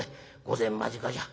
御前間近じゃ。